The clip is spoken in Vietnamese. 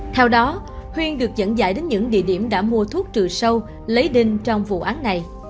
theo đó huyên được dẫn dải đến những địa điểm đã mua thuốc trừ sâu lấy đinh trong vụ án này